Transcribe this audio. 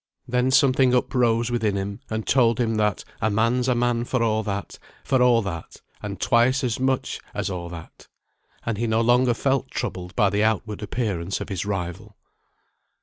Then something uprose within him, and told him, that "a man's a man for a' that, for a' that, and twice as much as a' that." And he no longer felt troubled by the outward appearance of his rival.